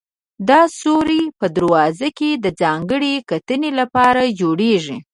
دا سورى په دروازه کې د ځانګړې کتنې لپاره جوړېږي.